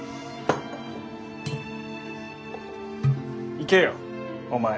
行けよお前。